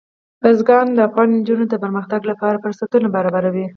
بزګان د افغان نجونو د پرمختګ لپاره فرصتونه برابروي.